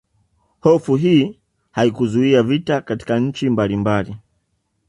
Hofu hii haikuzuia vita katika nchi mbalimbali